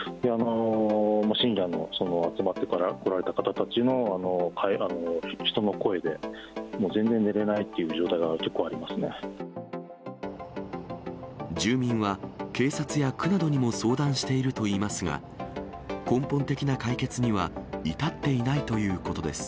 深夜に集まってこられた方たちの人の声で、全然寝れないという状住民は、警察や区などにも相談しているといいますが、根本的な解決には至っていないということです。